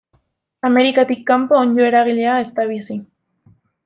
Amerikatik kanpo onddo eragilea ez da bizi.